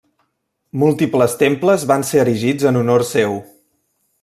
Múltiples temples van ser erigits en honor seu.